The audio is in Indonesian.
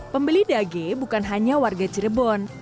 pembeli dage bukan hanya warga cirebon